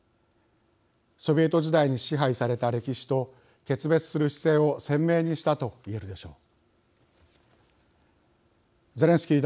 ソビエト時代に支配された歴史と決別する姿勢を鮮明にしたと言えるでしょう。